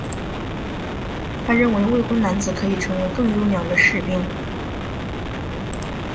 他认为未婚男子可以成为更优良的士兵。